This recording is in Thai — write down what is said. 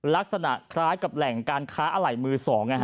ลักษณะคล้ายกับแหล่งการค้าอะไหล่มือ๒